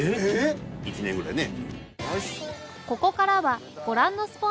１年ぐらいね。